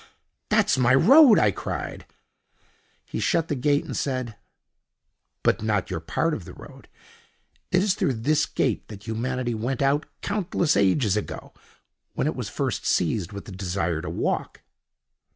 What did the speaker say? "That's my road!" I cried. He shut the gate and said: "But not your part of the road. It is through this gate that humanity went out countless ages ago, when it was first seized with the desire to walk."